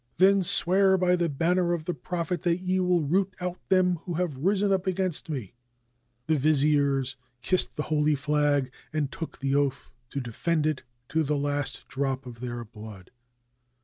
'" "Then swear by the banner of the Prophet that ye will root out them who have risen up against me!" The viziers kissed the holy flag and took the oath to defend it to the last drop of their blood.